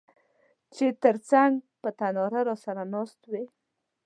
چي تر څنګ په تناره راسره ناست وې